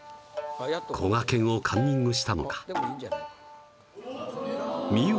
こがけんをカンニングしたのか見よう